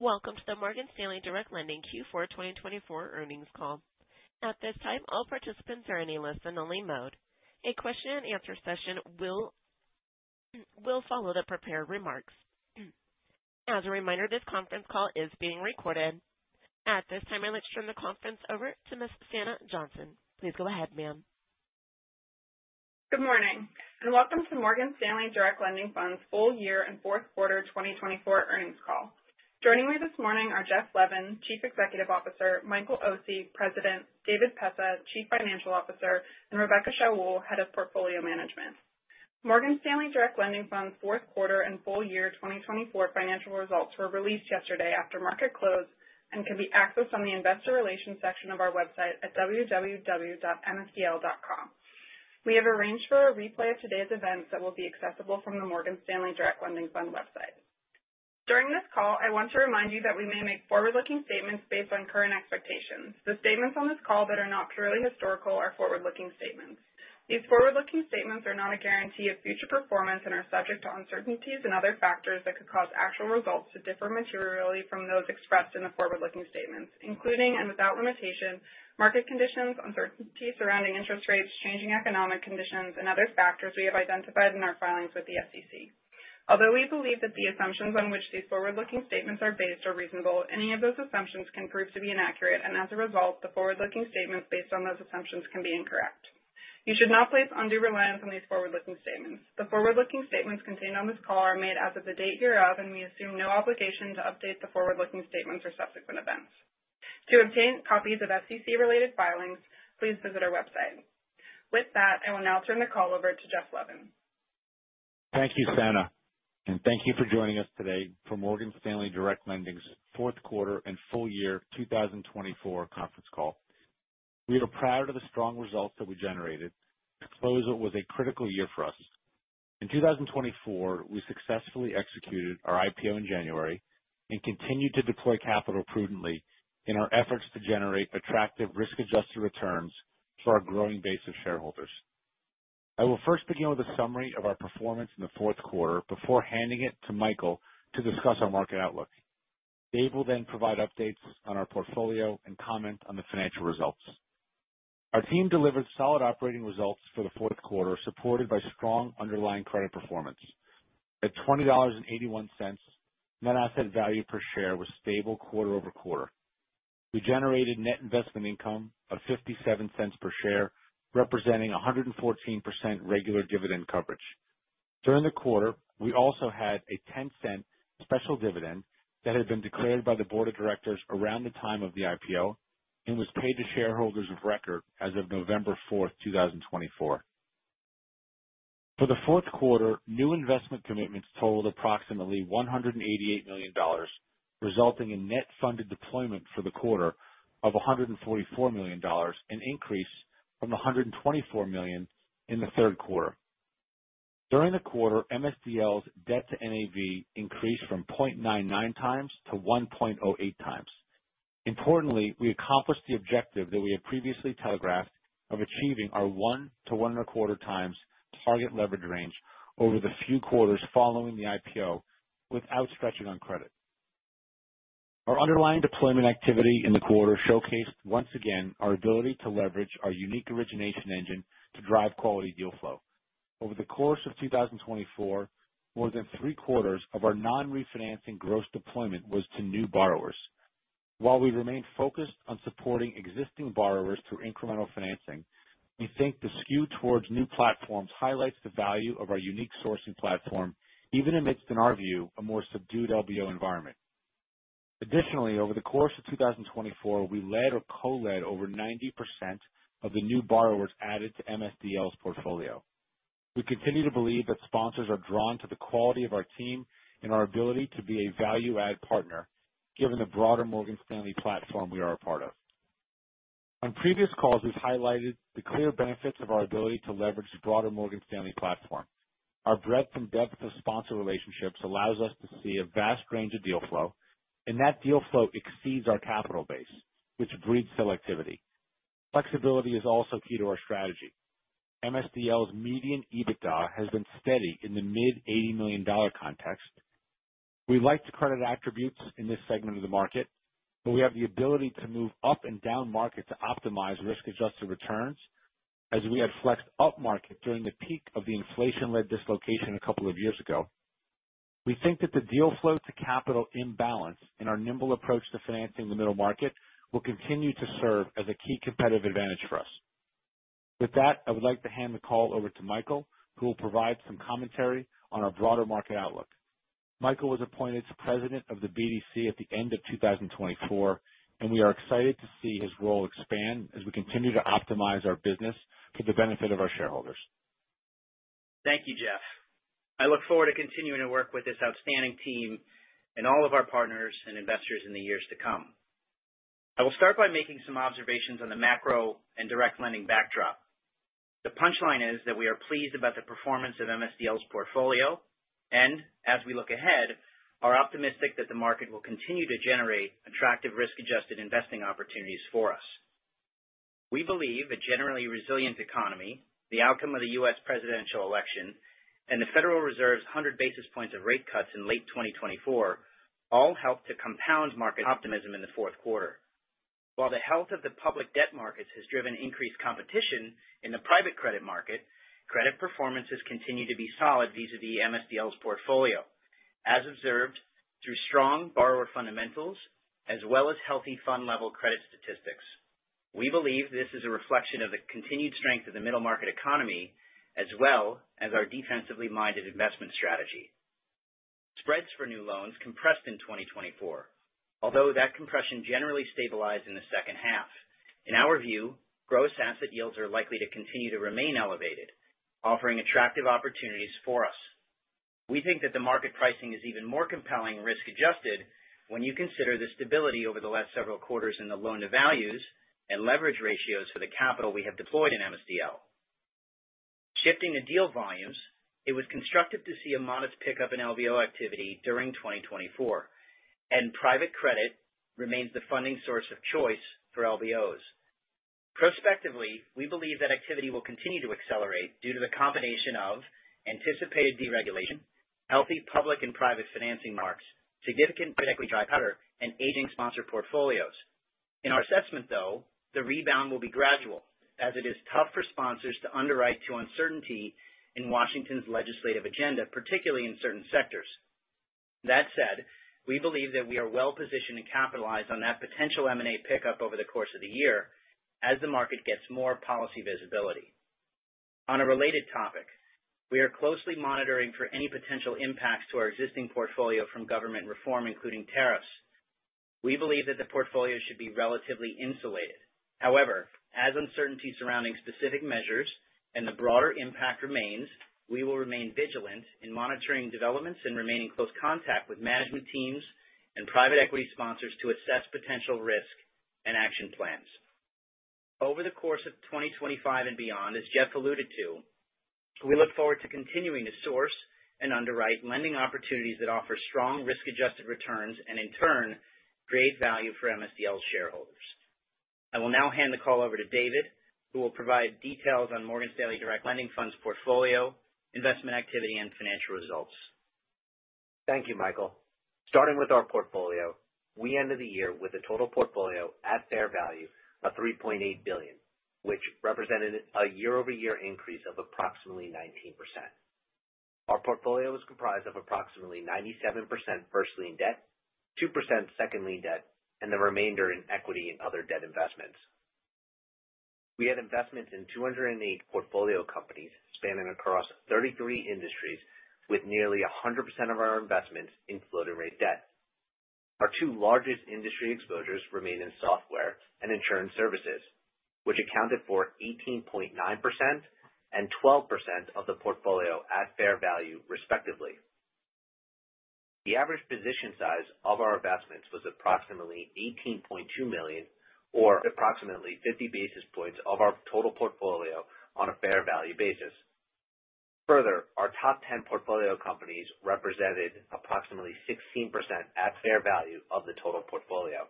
Welcome to the Morgan Stanley Direct Lending Q4 2024 earnings call. At this time, all participants are in a listen only mode. A question and answer session will follow the prepared remarks. As a reminder, this conference call is being recorded. At this time, I'd like to turn the conference over to Ms. Sanna Johnson. Please go ahead, ma'am. Good morning, welcome to Morgan Stanley Direct Lending Fund's full year and fourth quarter 2024 earnings call. Joining me this morning are Jeff Levin, Chief Executive Officer, Michael Occi, President, David Pessah, Chief Financial Officer, and Rebecca Shaoul, Head of Portfolio Management. Morgan Stanley Direct Lending Fund's fourth quarter and full year 2024 financial results were released yesterday after market closed and can be accessed on the investor relations section of our website at www.mcl.com. We have arranged for a replay of today's events that will be accessible from the Morgan Stanley Direct Lending Fund website. During this call, I want to remind you that we may make forward-looking statements based on current expectations. The statements on this call that are not purely historical are forward-looking statements. These forward-looking statements are not a guarantee of future performance and are subject to uncertainties and other factors that could cause actual results to differ materially from those expressed in the forward-looking statements, including and without limitation, market conditions, uncertainty surrounding interest rates, changing economic conditions and other factors we have identified in our filings with the SEC. Although we believe that the assumptions on which these forward-looking statements are based are reasonable, any of those assumptions can prove to be inaccurate, and as a result, the forward-looking statements based on those assumptions can be incorrect. You should not place undue reliance on these forward-looking statements. The forward-looking statements contained on this call are made as of the date hereof, we assume no obligation to update the forward-looking statements or subsequent events. To obtain copies of SEC related filings, please visit our website. With that, I will now turn the call over to Jeff Levin. Thank you, Sanna, and thank you for joining us today for Morgan Stanley Direct Lending's fourth quarter and full year 2024 conference call. We are proud of the strong results that we generated to close what was a critical year for us. In 2024, we successfully executed our IPO in January and continued to deploy capital prudently in our efforts to generate attractive risk-adjusted returns for our growing base of shareholders. I will first begin with a summary of our performance in the fourth quarter before handing it to Michael to discuss our market outlook. Dave will provide updates on our portfolio and comment on the financial results. Our team delivered solid operating results for the fourth quarter, supported by strong underlying credit performance. At $20.81, net asset value per share was stable quarter-over-quarter. We generated net investment income of $0.57 per share, representing 114% regular dividend coverage. During the quarter, we also had a $0.10 special dividend that had been declared by the board of directors around the time of the IPO and was paid to shareholders of record as of November 4th, 2024. For the fourth quarter, new investment commitments totaled approximately $188 million, resulting in net funded deployment for the quarter of $144 million, an increase from $124 million in the third quarter. During the quarter, MSDL's debt to NAV increased from 0.99x to 1.08x. Importantly, we accomplished the objective that we had previously telegraphed of achieving our 1x to 1.25x target leverage range over the few quarters following the IPO without stretching on credit. Our underlying deployment activity in the quarter showcased once again our ability to leverage our unique origination engine to drive quality deal flow. Over the course of 2024, more than three quarters of our non-refinancing gross deployment was to new borrowers. While we remain focused on supporting existing borrowers through incremental financing, we think the skew towards new platforms highlights the value of our unique sourcing platform, even amidst, in our view, a more subdued LBO environment. Additionally, over the course of 2024, we led or co-led over 90% of the new borrowers added to MSDL's portfolio. We continue to believe that sponsors are drawn to the quality of our team and our ability to be a value-add partner, given the broader Morgan Stanley platform we are a part of. On previous calls, we've highlighted the clear benefits of our ability to leverage the broader Morgan Stanley platform. Our breadth and depth of sponsor relationships allows us to see a vast range of deal flow, and that deal flow exceeds our capital base, which breeds selectivity. Flexibility is also key to our strategy. MSDL's median EBITDA has been steady in the mid $80 million context. We like to credit attributes in this segment of the market, but we have the ability to move up and down market to optimize risk-adjusted returns as we had flexed upmarket during the peak of the inflation-led dislocation a couple of years ago. We think that the deal flow to capital imbalance and our nimble approach to financing the middle market will continue to serve as a key competitive advantage for us. With that, I would like to hand the call over to Michael, who will provide some commentary on our broader market outlook. Michael was appointed to President of the BDC at the end of 2024, and we are excited to see his role expand as we continue to optimize our business for the benefit of our shareholders. Thank you, Jeff. I look forward to continuing to work with this outstanding team and all of our partners and investors in the years to come. I will start by making some observations on the macro and direct lending backdrop. The punchline is that we are pleased about the performance of MSDL's portfolio and as we look ahead, are optimistic that the market will continue to generate attractive risk-adjusted investing opportunities for us. We believe a generally resilient economy, the outcome of the U.S. presidential election, and the Federal Reserve's 100 basis points of rate cuts in late 2024 all helped to compound market optimism in the fourth quarter. While the health of the public debt markets has driven increased competition in the private credit market, credit performance has continued to be solid vis-a-vis MSDL's portfolio, as observed through strong borrower fundamentals as well as healthy fund level credit statistics. We believe this is a reflection of the continued strength of the middle market economy as well as our defensively minded investment strategy. Spreads for new loans compressed in 2024, although that compression generally stabilized in the second half. In our view, gross asset yields are likely to continue to remain elevated, offering attractive opportunities for us. We think that the market pricing is even more compelling risk-adjusted when you consider the stability over the last several quarters in the loan to values and leverage ratios for the capital we have deployed in MSDL. Shifting to deal volumes, it was constructive to see a modest pickup in LBO activity during 2024. Private credit remains the funding source of choice for LBOs. Prospectively, we believe that activity will continue to accelerate due to the combination of anticipated deregulation, healthy public and private financing marks, significant [critically dry powder], and aging sponsor portfolios. In our assessment, though, the rebound will be gradual as it is tough for sponsors to underwrite to uncertainty in Washington's legislative agenda, particularly in certain sectors. That said, we believe that we are well positioned to capitalize on that potential M&A pickup over the course of the year as the market gets more policy visibility. On a related topic, we are closely monitoring for any potential impacts to our existing portfolio from government reform, including tariffs. We believe that the portfolio should be relatively insulated. However, as uncertainty surrounding specific measures and the broader impact remains, we will remain vigilant in monitoring developments and remain in close contact with management teams and private equity sponsors to assess potential risk and action plans. Over the course of 2025 and beyond, as Jeff alluded to, we look forward to continuing to source and underwrite lending opportunities that offer strong risk-adjusted returns and in turn create value for MSDL's shareholders. I will now hand the call over to David, who will provide details on Morgan Stanley Direct Lending Fund's portfolio, investment activity, and financial results. Thank you, Michael. Starting with our portfolio, we ended the year with a total portfolio at fair value of $3.8 billion, which represented a year-over-year increase of approximately 19%. Our portfolio was comprised of approximately 97% first lien debt, 2% second lien debt, and the remainder in equity and other debt investments. We had investments in 208 portfolio companies spanning across 33 industries with nearly 100% of our investments in floating rate debt. Our two largest industry exposures remain in software and insurance services, which accounted for 18.9% and 12% of the portfolio at fair value, respectively. The average position size of our investments was approximately $18.2 million or approximately 50 basis points of our total portfolio on a fair value basis. Further, our top 10 portfolio companies represented approximately 16% at fair value of the total portfolio.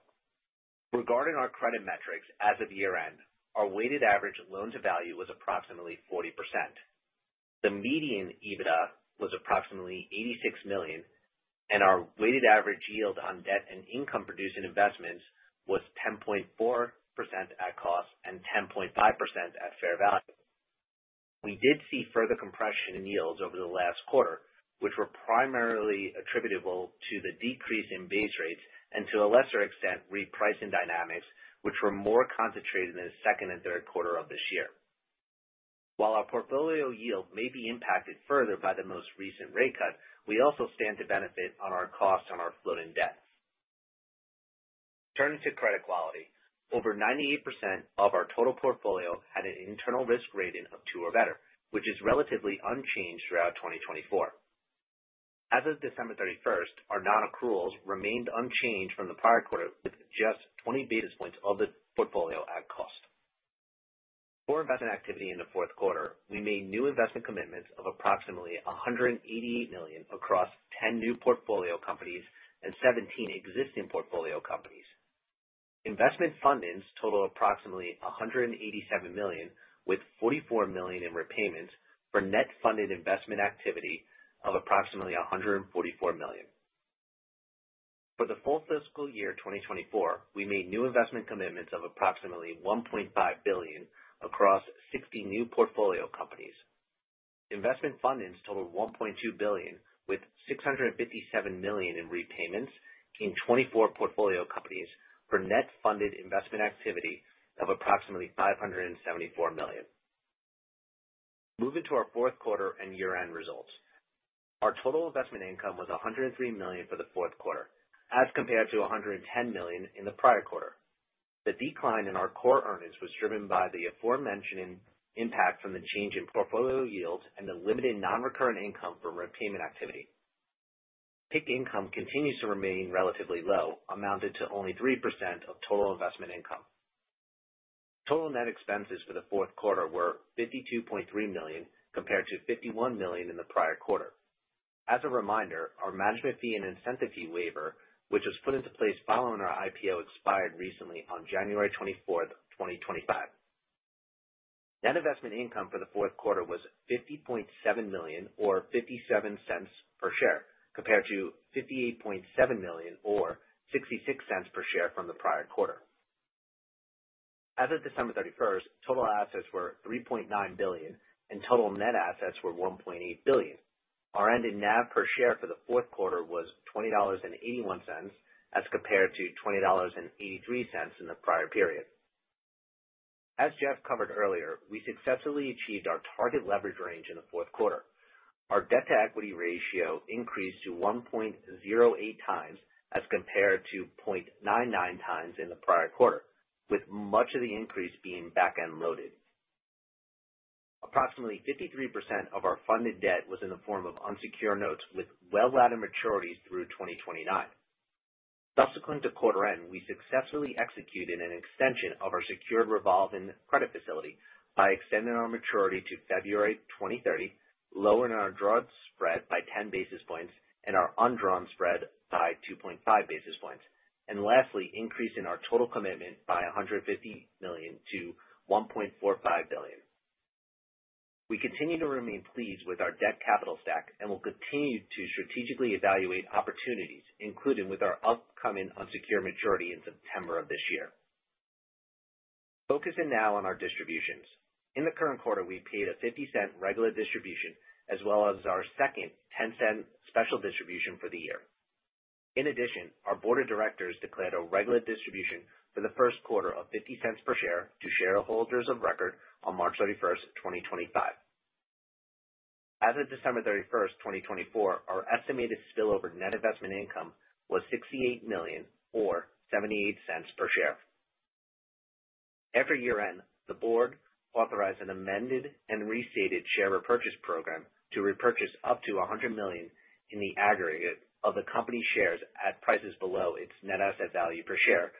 Regarding our credit metrics as of year-end, our weighted average loan to value was approximately 40%. The median EBITDA was approximately $86 million, and our weighted average yield on debt and income producing investments was 10.4% at cost and 10.5% at fair value. We did see further compression in yields over the last quarter, which were primarily attributable to the decrease in base rates and to a lesser extent, repricing dynamics which were more concentrated in the second and third quarter of this year. While our portfolio yield may be impacted further by the most recent rate cut, we also stand to benefit on our cost on our floating debt. Turning to credit quality. Over 98% of our total portfolio had an internal risk rating of two or better, which is relatively unchanged throughout 2024. As of December 31st, our non-accruals remained unchanged from the prior quarter, with just 20 basis points of the portfolio at cost. For investment activity in the fourth quarter, we made new investment commitments of approximately $188 million across 10 new portfolio companies and 17 existing portfolio companies. Investment fundings total approximately $187 million, with $44 million in repayments for net funded investment activity of approximately $144 million. For the full fiscal year 2024, we made new investment commitments of approximately $1.5 billion across 60 new portfolio companies. Investment fundings totaled $1.2 billion, with $657 million in repayments in 24 portfolio companies for net funded investment activity of approximately $574 million. Moving to our fourth quarter and year-end results. Our total investment income was $103 million for the fourth quarter as compared to $110 million in the prior quarter. The decline in our core earnings was driven by the aforementioned impact from the change in portfolio yields and the limited non-recurrent income from repayment activity. PIK income continues to remain relatively low, amounted to only 3% of total investment income. Total net expenses for the fourth quarter were $52.3 million, compared to $51 million in the prior quarter. As a reminder, our management fee and incentive fee waiver, which was put into place following our IPO, expired recently on January 24th, 2025. Net investment income for the fourth quarter was $50.7 million or $0.57 per share, compared to $58.7 million or $0.66 per share from the prior quarter. As of December 31st, total assets were $3.9 billion, and total net assets were $1.8 billion. Our ending NAV per share for the fourth quarter was $20.81 as compared to $20.83 in the prior period. As Jeff covered earlier, we successfully achieved our target leverage range in the fourth quarter. Our debt-to-equity ratio increased to 1.08x as compared to 0.99x in the prior quarter, with much of the increase being back-end loaded. Approximately 53% of our funded debt was in the form of unsecured notes with well-laddered maturities through 2029. Subsequent to quarter end, we successfully executed an extension of our secured revolving credit facility by extending our maturity to February 2030, lowering our drawn spread by 10 basis points and our undrawn spread by 2.5 basis points, lastly, increasing our total commitment by $150 million-$1.45 billion. We continue to remain pleased with our debt capital stack and will continue to strategically evaluate opportunities, including with our upcoming unsecured maturity in September of this year. Focusing now on our distributions. In the current quarter, we paid a $0.50 regular distribution as well as our second $0.10 special distribution for the year. Our board of directors declared a regular distribution for the first quarter of $0.50 per share to shareholders of record on March 31st, 2025. As of December 31st, 2024, our estimated spillover net investment income was $68 million or $0.78 per share. Every year-end, the board authorized an amended and restated share repurchase program to repurchase up to $100 million in the aggregate of the company's shares at prices below its net asset value per share.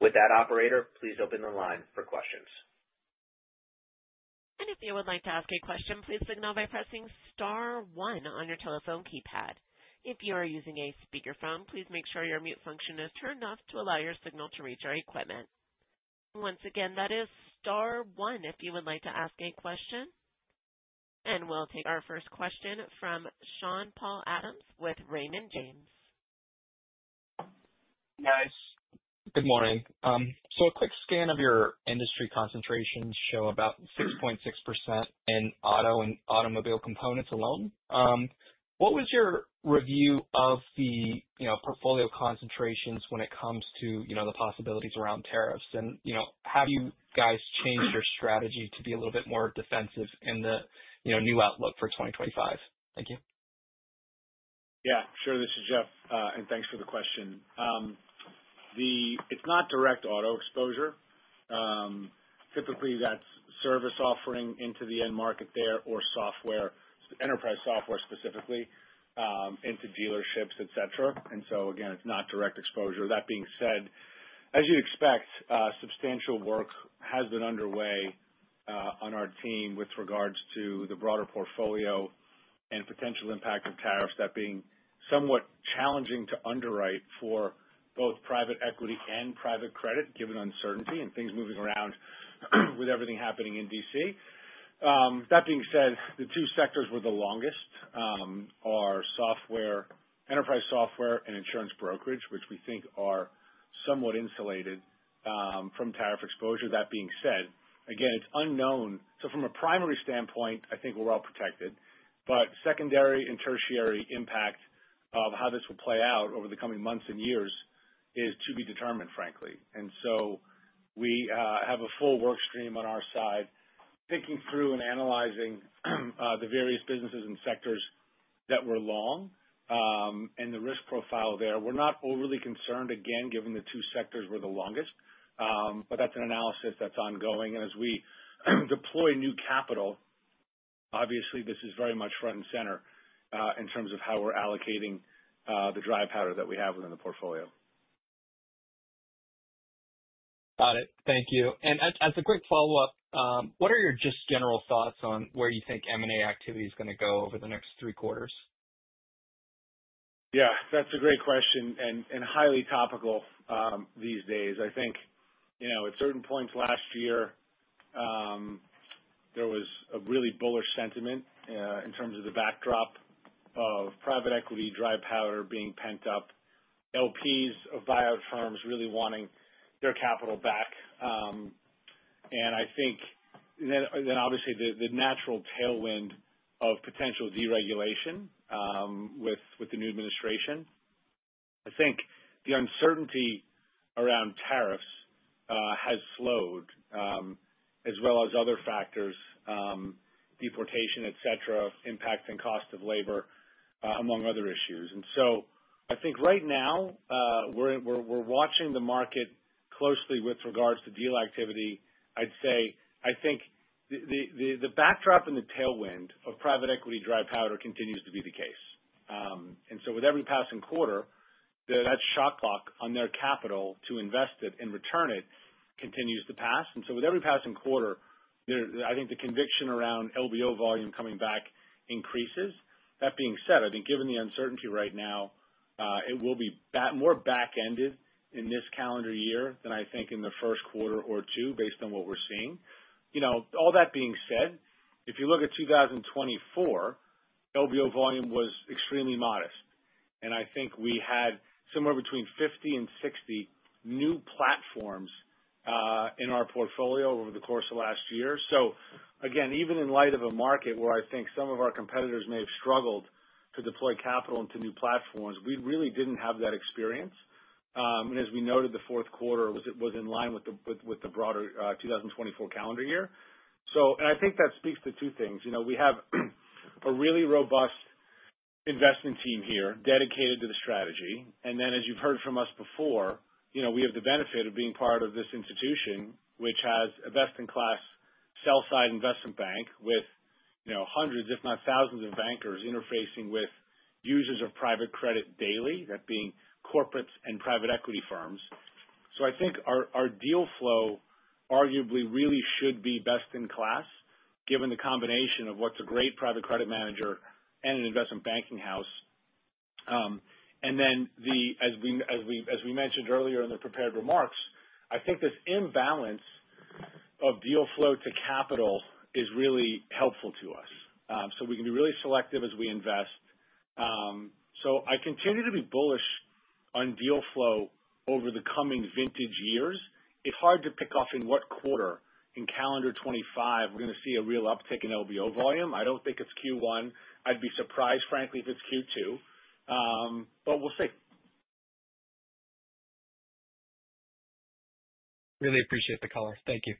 With that, operator, please open the line for questions. If you would like to ask a question, please signal by pressing star one on your telephone keypad. If you are using a speakerphone, please make sure your mute function is turned off to allow your signal to reach our equipment. Once again, that is star one if you would like to ask a question. We'll take our first question from Sean-Paul Adams with Raymond James. Guys, good morning. A quick scan of your industry concentrations show about 6.6% in auto and automobile components alone. What was your review of the, you know, portfolio concentrations when it comes to, you know, the possibilities around tariffs? You know, have you guys changed your strategy to be a little bit more defensive in the, you know, new outlook for 2025? Thank you. Yeah, sure. This is Jeff. Thanks for the question. It's not direct auto exposure. Typically, that's service offering into the end market there or software, enterprise software specifically, into dealerships, et cetera. Again, it's not direct exposure. That being said, as you'd expect, substantial work has been underway on our team with regards to the broader portfolio and potential impact of tariffs, that being somewhat challenging to underwrite for both private equity and private credit, given uncertainty and things moving around with everything happening in D.C. That being said, the two sectors were the longest are enterprise software and insurance brokerage, which we think are somewhat insulated from tariff exposure. That being said, again, it's unknown. From a primary standpoint, I think we're well protected, but secondary and tertiary impact of how this will play out over the coming months and years is to be determined, frankly. We have a full work stream on our side, thinking through and analyzing the various businesses and sectors that were long and the risk profile there. We're not overly concerned, again, given the two sectors were the longest. That's an analysis that's ongoing. As we deploy new capital, obviously, this is very much front and center in terms of how we're allocating the dry powder that we have within the portfolio. Got it. Thank you. As a quick follow-up, what are your just general thoughts on where you think M&A activity is gonna go over the next three quarters? Yeah, that's a great question and highly topical these days. I think, you know, at certain points last year, there was a really bullish sentiment in terms of the backdrop of private equity, dry powder being pent up, LPs of buyout firms really wanting their capital back. I think then obviously the natural tailwind of potential deregulation with the new administration. I think the uncertainty around tariffs has slowed as well as other factors, deportation, et cetera, impacting cost of labor among other issues. I think right now, we're watching the market closely with regards to deal activity. I'd say I think the backdrop and the tailwind of private equity dry powder continues to be the case. With every passing quarter, that shot clock on their capital to invest it and return it continues to pass. With every passing quarter, I think the conviction around LBO volume coming back increases. That being said, I think given the uncertainty right now, it will be more back-ended in this calendar year than I think in the first quarter or two based on what we're seeing. You know, all that being said, if you look at 2024, LBO volume was extremely modest. I think we had somewhere between 50 and 60 new platforms in our portfolio over the course of last year. Again, even in light of a market where I think some of our competitors may have struggled to deploy capital into new platforms, we really didn't have that experience. As we noted, the fourth quarter was in line with the broader 2024 calendar year. I think that speaks to two things. You know, we have a really robust investment team here dedicated to the strategy. As you've heard from us before, you know, we have the benefit of being part of this institution, which has a best in class sell side investment bank with, you know, hundreds if not thousands of bankers interfacing with users of private credit daily, that being corporates and private equity firms. I think our deal flow arguably really should be best in class, given the combination of what's a great private credit manager and an investment banking house. As we mentioned earlier in the prepared remarks, I think this imbalance of deal flow to capital is really helpful to us. We can be really selective as we invest. I continue to be bullish on deal flow over the coming vintage years. It's hard to pick off in what quarter in calendar 2025 we're going to see a real uptick in LBO volume. I don't think it's Q1. I'd be surprised, frankly, if it's Q2. We'll see. Really appreciate the color. Thank you.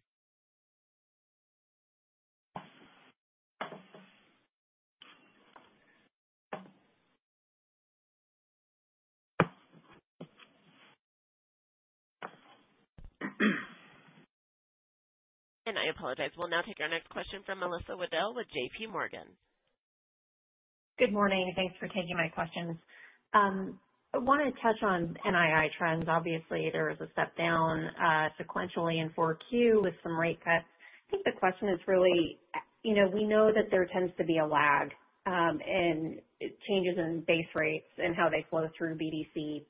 I apologize. We'll now take our next question from Melissa Wedel with JPMorgan. Good morning. Thanks for taking my questions. I want to touch on NII trends. Obviously, there was a step down sequentially in 4Q with some rate cuts. I think the question is really, you know, we know that there tends to be a lag in changes in base rates and how they flow through BDC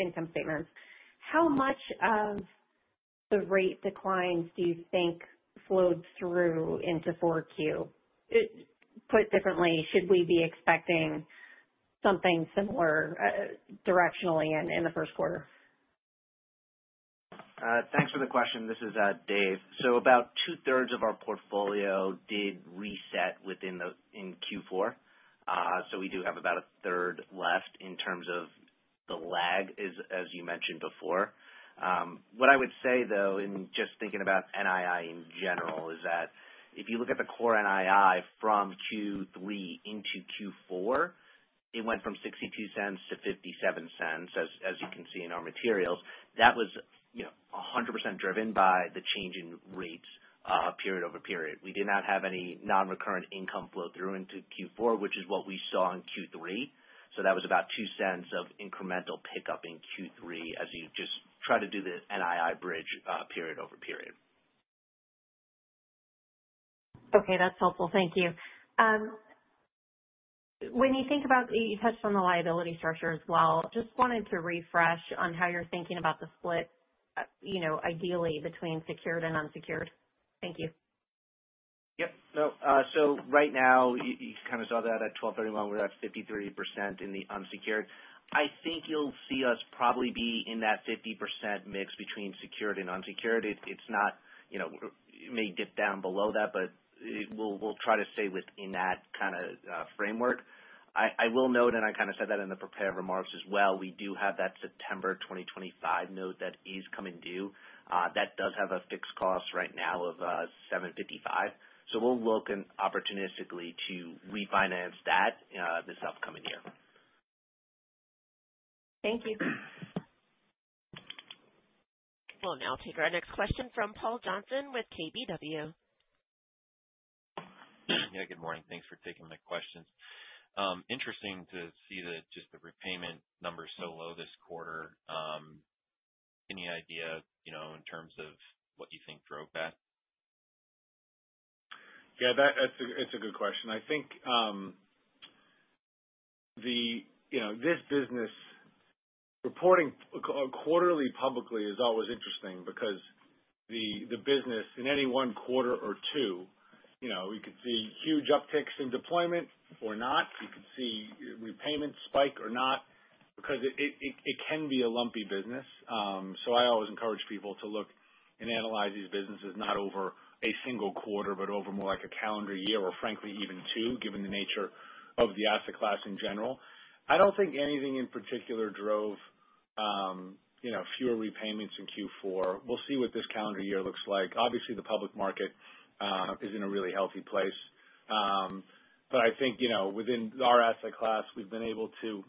income statements. How much of the rate declines do you think flowed through into 4Q? Put differently, should we be expecting something similar directionally in the first quarter? Thanks for the question. This is Dave. About 2/3 of our portfolio did reset in Q4. We do have about a third left in terms of the lag as you mentioned before. What I would say, though, in just thinking about NII in general is that if you look at the core NII from Q3 into Q4, it went from $0.62-$0.57, as you can see in our materials. That was, you know, 100% driven by the change in rates, period-over-period. We did not have any non-recurrent income flow through into Q4, which is what we saw in Q3. That was about $0.02 of incremental pickup in Q3 as you just try to do the NII bridge, period-over-period. Okay. That's helpful. Thank you. When you touched on the liability structure as well. Just wanted to refresh on how you're thinking about the split, you know, ideally between secured and unsecured. Thank you. Yep. No. Right now, you kind of saw that at 12/31, we're at 53% in the unsecured. I think you'll see us probably be in that 50% mix between secured and unsecured. It's not, you know, it may dip down below that, but we'll try to stay within that kind of framework. I will note, I kind of said that in the prepared remarks as well, we do have that September 2025 note that is coming due. That does have a fixed cost right now of 7.55%. We'll look opportunistically to refinance that this upcoming year. Thank you. We'll now take our next question from Paul Johnson with KBW. Yeah, good morning. Thanks for taking my questions. Interesting to see just the repayment numbers so low this quarter. Any idea, you know, in terms of what you think drove that? Yeah, it's a good question. I think, you know, this business reporting quarterly publicly is always interesting because the business in any one quarter or two, you know, we could see huge upticks in deployment or not. We could see repayments spike or not because it can be a lumpy business. I always encourage people to look and analyze these businesses not over a single quarter, but over more like a calendar year or frankly even two, given the nature of the asset class in general. I don't think anything in particular drove, you know, fewer repayments in Q4. We'll see what this calendar year looks like. Obviously, the public market is in a really healthy place. I think, you know, within our asset class, we've been able to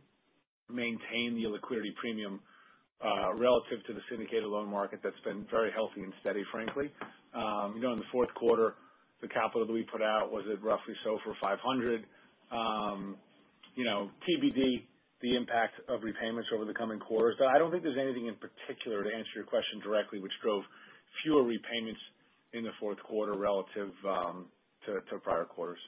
maintain the liquidity premium relative to the syndicated loan market, that's been very healthy and steady, frankly. You know, in the fourth quarter, the capital that we put out was at roughly SOFR 500. You know, TBD, the impact of repayments over the coming quarters. I don't think there's anything in particular, to answer your question directly, which drove fewer repayments in the fourth quarter relative to prior quarters.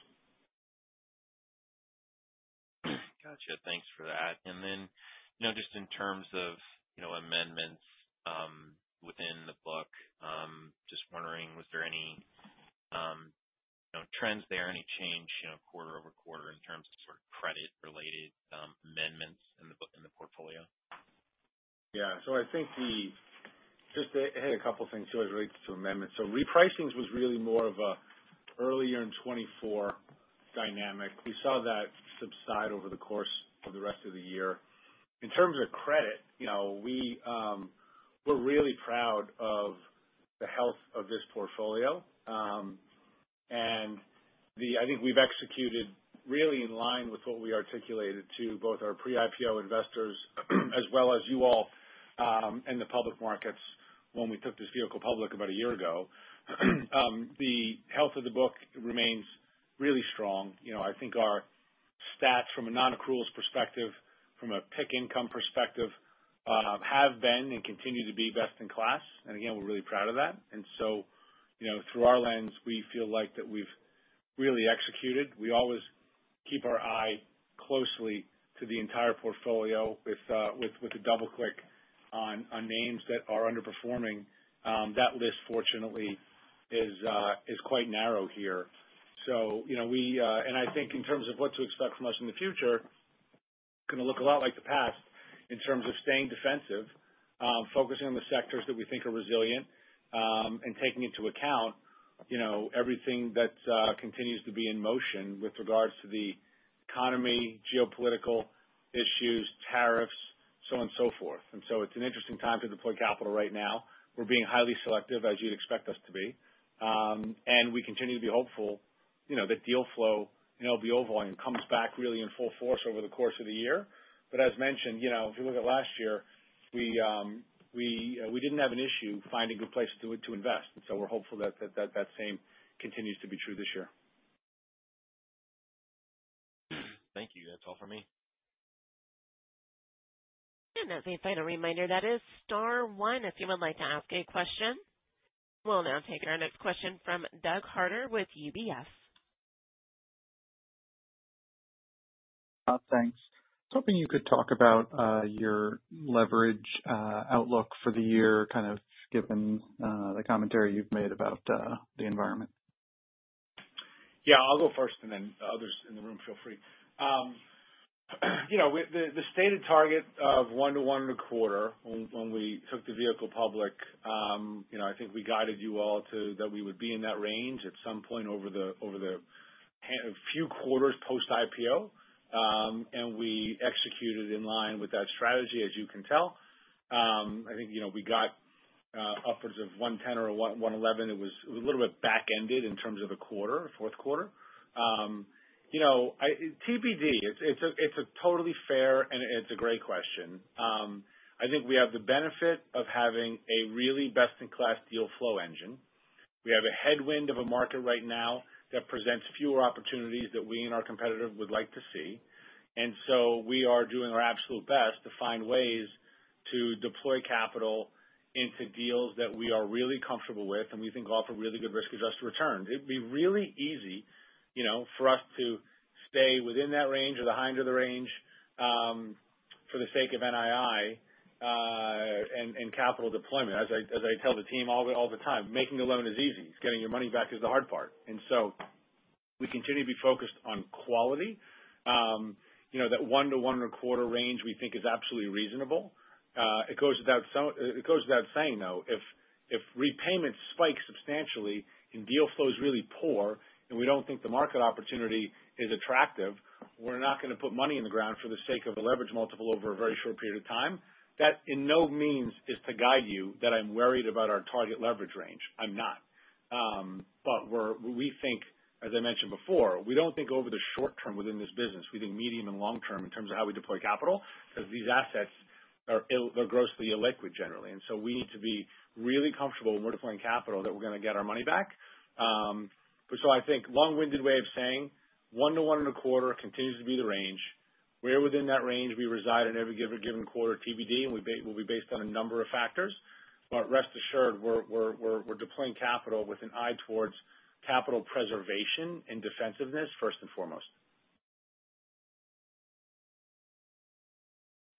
Gotcha. Thanks for that. You know, just in terms of, you know, amendments within the book, just wondering, was there any, you know, trends there, any change, you know, quarter-over-quarter in terms of sort of credit related amendments in the portfolio? I think just to hit a couple of things too, as it relates to amendments. Repricings was really more of an early in 2024 dynamic. We saw that subside over the course of the rest of the year. In terms of credit, you know, we're really proud of the health of this portfolio. I think we've executed really in line with what we articulated to both our pre-IPO investors as well as you all in the public markets when we took this vehicle public about a year ago. The health of the book remains really strong. You know, I think our stats from a non-accruals perspective, from a PIK income perspective, have been and continue to be best in class. Again, we're really proud of that. You know, through our lens, we feel like that we've really executed. We always keep our eye closely to the entire portfolio with a double click on names that are underperforming. That list fortunately is quite narrow here. You know, and I think in terms of what to expect from us in the future, gonna look a lot like the past in terms of staying defensive, focusing on the sectors that we think are resilient, and taking into account, you know, everything that continues to be in motion with regards to the economy, geopolitical issues, tariffs, so on and so forth. It's an interesting time to deploy capital right now. We're being highly selective, as you'd expect us to be. We continue to be hopeful, you know, that deal flow, you know, will be overwhelming, comes back really in full force over the course of the year. As mentioned, you know, if you look at last year, we didn't have an issue finding good places to invest. We're hopeful that that same continues to be true this year. Thank you. That's all for me. As a final reminder, that is star one, if you would like to ask a question. We'll now take our next question from Doug Harter with UBS. Thanks. Hoping you could talk about your leverage outlook for the year, kind of given the commentary you've made about the environment. I'll go first and then others in the room feel free. You know, the stated target of 1x to 1.25x when we took the vehicle public, you know, I think we guided you all that we would be in that range at some point over the few quarters post-IPO. We executed in line with that strategy, as you can tell. I think, you know, we got upwards of 110 or 111. It was a little bit back-ended in terms of the quarter, fourth quarter. You know, TBD. It's a totally fair and great question. I think we have the benefit of having a really best-in-class deal flow engine. We have a headwind of a market right now that presents fewer opportunities that we and our competitors would like to see. We are doing our absolute best to find ways to deploy capital into deals that we are really comfortable with and we think offer really good risk-adjusted returns. It'd be really easy, you know, for us to stay within that range or the high end of the range, for the sake of NII and capital deployment. As I tell the team all the time, making the loan is easy. It's getting your money back is the hard part. We continue to be focused on quality. You know, that 1x to 1.25x range we think is absolutely reasonable. It goes without saying, though, if repayments spike substantially and deal flow is really poor and we don't think the market opportunity is attractive, we're not gonna put money in the ground for the sake of a leverage multiple over a very short period of time. That in no means is to guide you that I'm worried about our target leverage range. I'm not. We think, as I mentioned before, we don't think over the short term within this business. We think medium and long term in terms of how we deploy capital, because these assets are grossly illiquid generally. We need to be really comfortable when we're deploying capital that we're gonna get our money back. I think long-winded way of saying 1x-1.25x continues to be the range. Where within that range we reside in every given quarter, TBD, and will be based on a number of factors. Rest assured, we're deploying capital with an eye towards capital preservation and defensiveness first and foremost.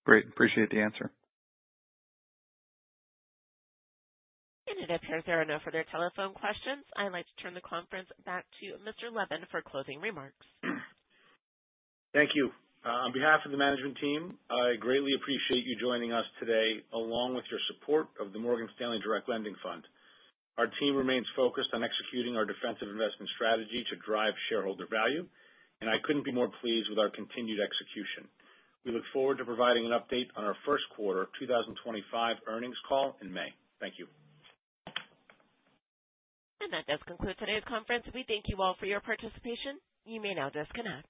Great. Appreciate the answer. It appears there are no further telephone questions. I would like to turn the conference back to Mr. Levin for closing remarks. Thank you. On behalf of the management team, I greatly appreciate you joining us today along with your support of the Morgan Stanley Direct Lending Fund. Our team remains focused on executing our defensive investment strategy to drive shareholder value. I couldn't be more pleased with our continued execution. We look forward to providing an update on our first quarter of 2025 earnings call in May. Thank you. That does conclude today's conference. We thank you all for your participation. You may now disconnect.